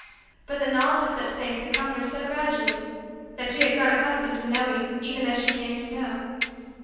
But the knowledge of such things had come to her so gradually that she had grown accustomed to knowing even as she came to know.